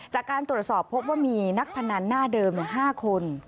จากการตรวจสอบพบว่ามีนักพนันหน้าเดิม๕คน